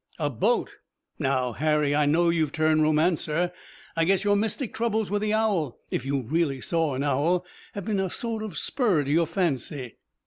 "A boat? Now, Harry, I know you've turned romancer. I guess your mystic troubles with the owl if you really saw an owl have been a sort of spur to your fancy."